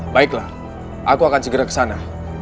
baiklah aku akan segera kesana